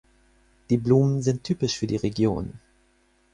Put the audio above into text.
Die Blumen sind typisch für die Region.